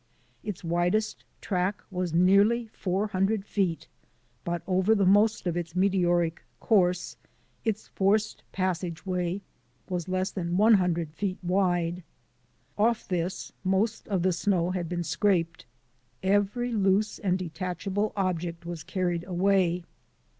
Its widest track was THE WHITE CYCLONE 117 nearly four hundred feet, but over the most of its meteoric course its forced passageway was less than one hundred feet wide. Off this most of the snow had been scraped. Every loose and detach able object was carried away.